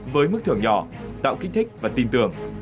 với mức thưởng nhỏ tạo kích thích và tin tưởng